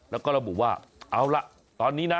แล้วก็ระบุว่าเอาล่ะตอนนี้นะ